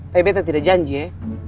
tapi beta tidak janji ya